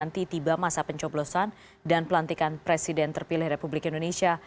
nanti tiba masa pencoblosan dan pelantikan presiden terpilih republik indonesia